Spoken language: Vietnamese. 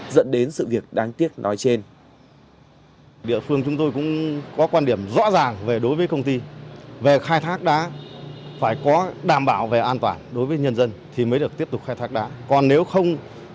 dẫn đến sự việc đáng tiếc nói trên